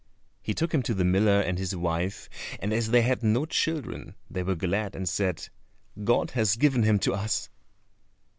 He took him to the miller and his wife, and as they had no children they were glad, and said, "God has given him to us."